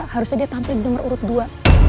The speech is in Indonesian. harusnya dia tampil di nomor urut dua